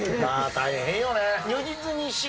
大変よね。